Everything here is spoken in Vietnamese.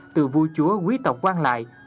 từ vua chúa quý tộc quang lại